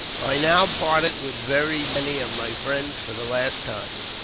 I NOW parted with very many of my friends for the last time.